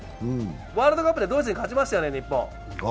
ワールドカップでドイツに勝ちましたよね、日本。